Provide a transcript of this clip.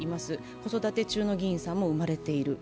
子育て中の議員さんも生まれている。